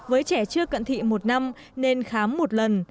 với trẻ chưa cận thị một năm nên khám một lần